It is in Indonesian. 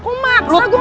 kok maksa gue gak mau